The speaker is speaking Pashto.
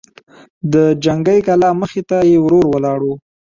د جنګي کلا مخې ته يې ورور ولاړ و.